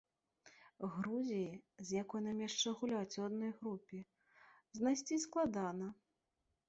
Грузіі, з якой нам яшчэ гуляць у адной групе, знайсці складана.